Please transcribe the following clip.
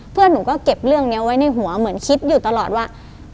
เพื่อนหนูก็เก็บเรื่องนี้ไว้ในหัวเหมือนคิดอยู่ตลอดว่า